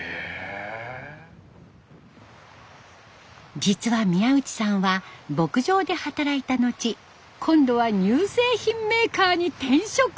実は宮内さんは牧場で働いた後今度は乳製品メーカーに転職！